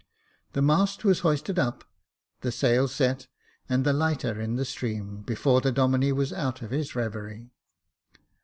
The mast was hoisted up, the sail set, and the lighter in the stream, before the Domine was out of his reverie.